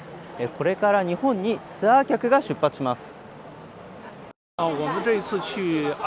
これから日本にツアー客が出発します